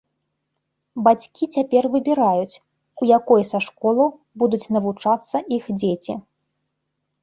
Бацькі цяпер выбіраюць, у якой са школаў будуць навучацца іх дзеці.